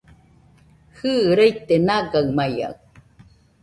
Jɨ, raite nagamaiaɨ